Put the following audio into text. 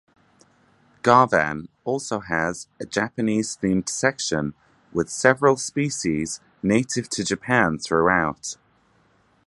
Garvan also has a Japanese-themed section with several species native to Japan throughout.